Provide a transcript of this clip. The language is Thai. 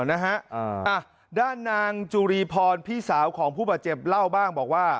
นะฮะด้านนางจุรีพรพี่สาวของผู้บาดเจ็บเล่าบ้างบอกว่า